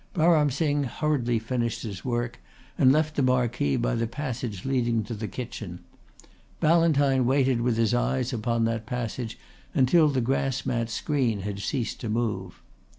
Baram Singh hurriedly finished his work and left the marquee by the passage leading to the kitchen. Ballantyne waited with his eyes upon that passage until the grass mat screen had ceased to move.